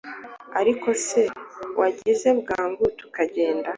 Ariko se wagize bwangu tukagenda